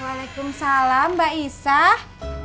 waalaikumsalam mbak isah